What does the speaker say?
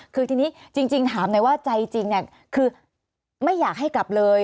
คือทีนี้จริงถามหน่อยว่าใจจริงคือไม่อยากให้กลับเลย